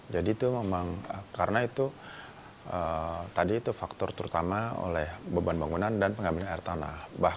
jadi itu memang karena itu tadi itu faktor terutama oleh beban bangunan dan pengambilan air tanah